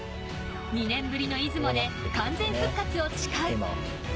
２年ぶりの出雲で完全復活を誓う。